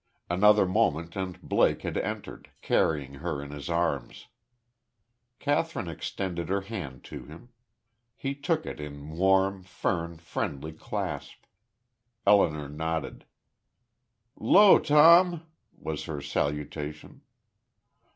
Another moment and Blake had entered, carrying her in his arms. Kathryn extended her hand to him; he took it in warm, firm, friendly clasp. Elinor nodded. "'Lo, Tom," was her salutation.